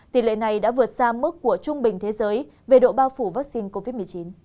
tỷ lệ này đã vượt xa mức của trung bình thế giới về độ bao phủ vaccine covid một mươi chín